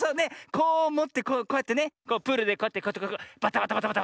こうもってこうやってねプールでこうやってバタバタバタ。